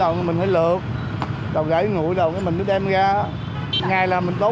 trong lối trải lời tất cả các người đã nóirolling về chịu đựng tính trà đá để mình làm bình trà đá